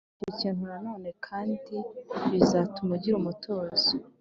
ushakisha ikintu Nanone, kandi bizatuma ugira umutuzo